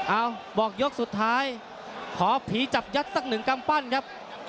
บอกยกสุดท้ายขอผีจับยัดสักหนึ่งกำปั้นครับ